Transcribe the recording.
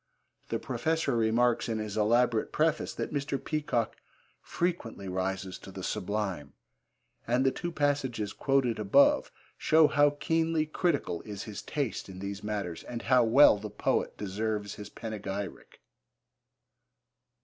The Professor remarks in his elaborate preface that Mr. Peacock 'frequently rises to the sublime,' and the two passages quoted above show how keenly critical is his taste in these matters and how well the poet deserves his panegyric.